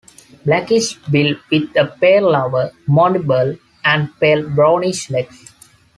Blackish bill with a pale lower mandible and pale brownish legs.